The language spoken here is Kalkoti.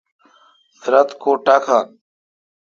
درا تہ کو ٹاکان۔